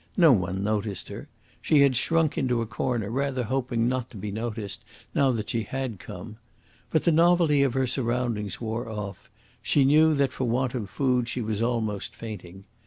No one noticed her. She had shrunk into a corner, rather hoping not to be noticed, now that she had come. But the novelty of her surroundings wore off. She knew that for want of food she was almost fainting.